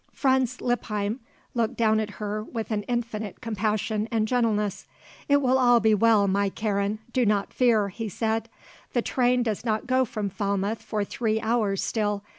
Franz Lippheim looked down at her with an infinite compassion and gentleness. "It will all be well, my Karen; do not fear," he said. "The train does not go from Falmouth for three hours still.